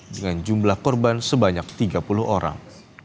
dengan jumlah korban sebanyak tiga puluh orang